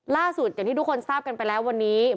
อย่างที่ทุกคนทราบกันไปแล้ววันนี้